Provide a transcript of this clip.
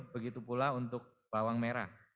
begitu pula untuk bawang merah